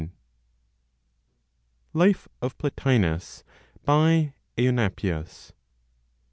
LIFE OF PLOTINOS, BY EUNAPIUS.